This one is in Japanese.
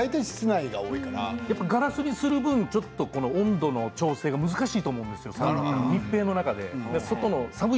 ガラスにする分、ちょっと温度の調整が難しいと思うんですよ。